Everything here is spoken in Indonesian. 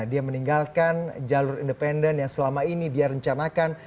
dia meninggalkan jalur independen yang selama ini dia rencanakan